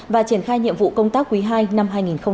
và triển khai nhiệm vụ công tác quý ii năm hai nghìn hai mươi